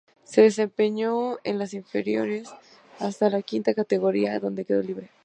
Se desempeñó en las inferiores hasta la quinta categoría donde quedó libre.